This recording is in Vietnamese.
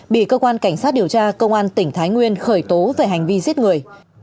bị cơ quan cảnh sát điều tra công an tỉnh thái nguyên khởi tố về hành vi giết người